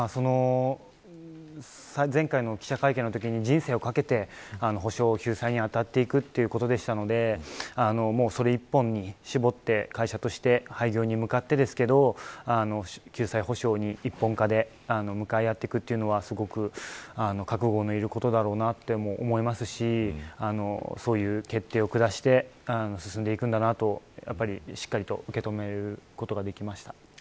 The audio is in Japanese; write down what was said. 前回の記者会見のときに人生をかけて補償救済に当たっていくということでしたのでそれ一本に絞って会社として廃業に向かってですけど救済補償に一本化で向かい合っていくというのはすごく覚悟のいることだろうなと思いますしそういう決定を下して進んでいくんだなとしっかりと受け止めることができました。